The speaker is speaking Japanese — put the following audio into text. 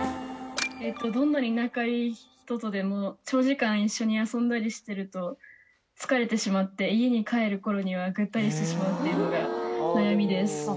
どんなに仲いい人とでも長時間一緒に遊んだりしてると疲れてしまって家に帰る頃にはぐったりしてしまうえっていうのが悩みです